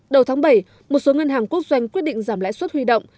đầu tháng bảy một số ngân hàng quốc doanh quyết định giảm lãi suất huy động